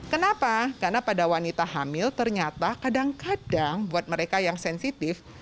kenapa karena pada wanita hamil ternyata kadang kadang buat mereka yang sensitif